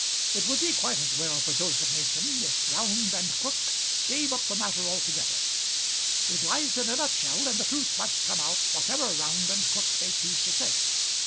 It would be quite as well for Joseph Mason if Round and Crook gave up the matter altogether. It lies in a nutshell, and the truth must come out whatever Round and Crook may choose to say.